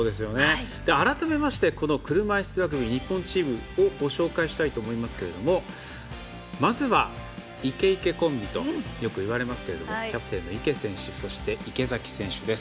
改めまして車いすラグビーの日本チームをご紹介したいと思いますがまずは池＆池コンビとよくいわれますがキャプテンの池選手そして池崎選手です。